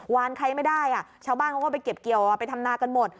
ใครไม่ได้ชาวบ้านเขาก็ไปเก็บเกี่ยวไปทำนากันหมด